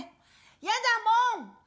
やだもん！